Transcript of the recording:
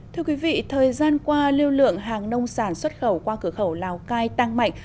thưa quý vị thời gian qua lưu lượng hàng nông sản xuất khẩu qua cửa khẩu lào cai tăng mạnh